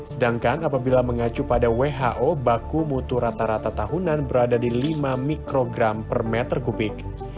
sedangkan apabila mengacu pada who baku mutu rata rata tahunan berada di lima mikrogram per meter kubik